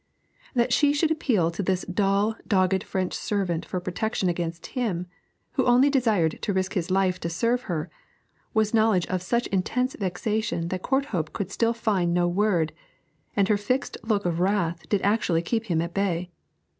That she should appeal to this dull, dogged French servant for protection against him, who only desired to risk his life to serve her, was knowledge of such intense vexation that Courthope could still find no word, and her fixed look of wrath did actually keep him at bay.